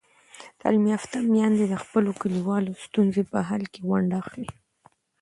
تعلیم یافته میندې د خپلو کلیوالو ستونزو په حل کې ونډه اخلي.